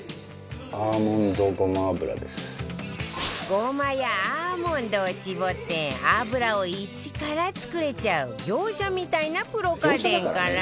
ゴマやアーモンドを搾って油をイチから作れちゃう業者みたいなプロ家電から